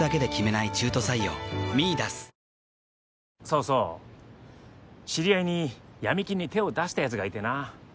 そうそう知り合いに闇金に手を出したやつがいてな。